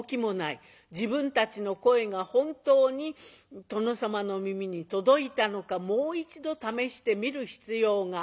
自分たちの声が本当に殿様の耳に届いたのかもう一度試してみる必要がある。